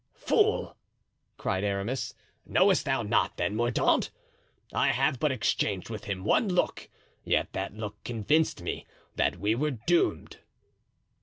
"Fool!" cried Aramis; "knowest thou not, then, Mordaunt? I have but exchanged with him one look, yet that look convinced me that we were doomed."